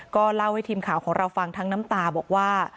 ก็เล่าให้ทีมข่าวของเราฟังทั้งน้ำตาบอกว่า